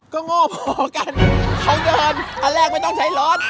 ก็โง่พอกันเขาเดินอันแรกไม่ต้องใช้รถ